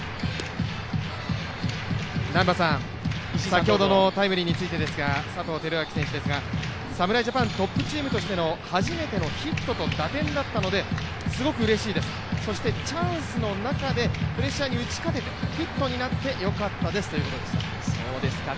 先ほどのタイムリーについてですが、佐藤輝明選手ですが侍ジャパントップチームとしての初めてのヒットと打点だったのですごくうれしいです、そしてチャンスの中でプレッシャーに打ち勝てて、ヒットになってよかったですということでした。